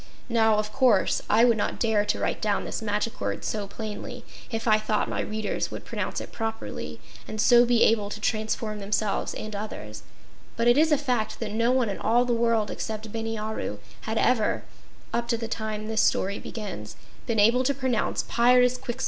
Now, of course, I would not dare to write down this magic word so plainly if I thought my readers would pronounce it properly and so be able to transform themselves and others, but it is a fact that no one in all the world except Bini Aru, had ever (up to the time this story begins) been able to pronounce "Pyrzqxgl!"